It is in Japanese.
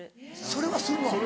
それはするの？